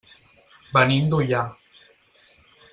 Venim d'Ullà.